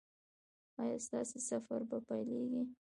ایا ستاسو سفر به پیلیږي؟